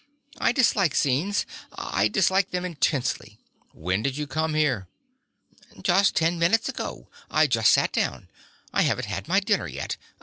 "I dislike scenes. I dislike them intensely." "When did you come here?" "Just ten minutes ago. I just sat down. I haven't had my dinner yet.